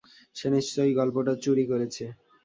সে নিশ্চয়ই গল্পটা চুরি করেছে।